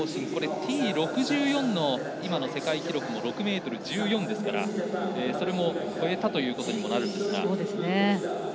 Ｔ６４の今の世界記録も６ｍ１４ですからそれも超えたということになるんですが。